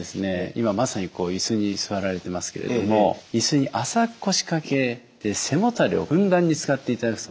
今まさに椅子に座られてますけれども椅子に浅く腰掛けて背もたれをふんだんに使っていただくと。